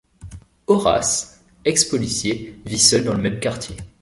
Horace, ex-policier, vit seul dans le même quartier.